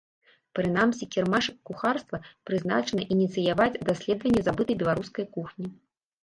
Прынамсі кірмашык кухарства прызначаны ініцыяваць даследаванне забытай беларускай кухні.